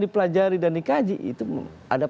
dipelajari dan dikaji itu ada